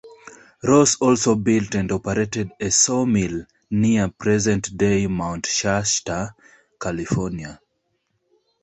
Ross also built and operated a sawmill near present-day Mount Shasta, California.